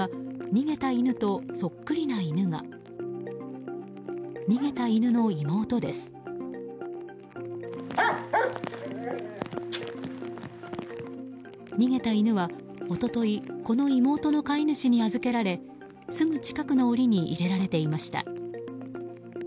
逃げた犬は、一昨日この妹の飼い主に預けられすぐ近くの檻に入れられていました。